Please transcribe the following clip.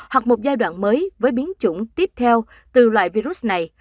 hoặc một giai đoạn mới với biến chủng tiếp theo từ loại virus này